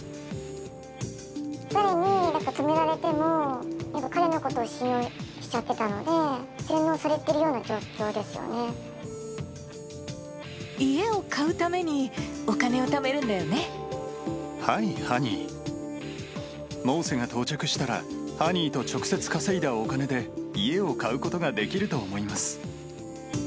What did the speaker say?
誰に止められても、なんか彼のことを信用しちゃってたので、洗脳されているような状家を買うために、はい、ハニー、モーセが到着したら、ハニーと直接稼いだお金で家を買うことができると思います。